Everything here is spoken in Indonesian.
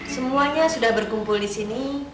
semuanya sudah berkumpul di sini